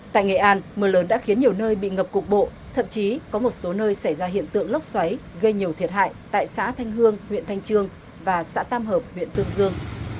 tại nghệ an mưa lớn đã khiến nhiều nơi bị ngập cục bộ thậm chí có một số nơi xảy ra hiện tượng lốc xoáy gây nhiều thiệt hại tại xã thanh hương huyện thanh trương và xã tam hợp huyện tương dương